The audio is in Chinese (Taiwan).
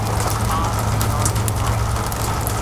八堵交流道